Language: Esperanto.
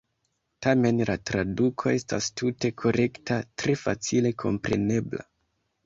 Tamen la traduko estas "tute korekta, tre facile komprenebla.